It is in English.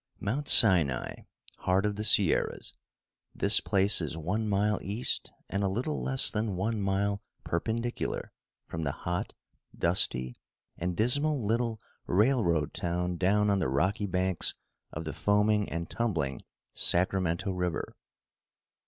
Mount Sinai, Heart of the Sierras this place is one mile east and a little less than one mile perpendicular from the hot, dusty and dismal little railroad town down on the rocky banks of the foaming and tumbling Sacramento River.